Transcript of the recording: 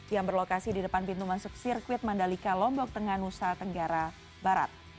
yang berlokasi di depan pintu masuk sirkuit mandalika lombok tengah nusa tenggara barat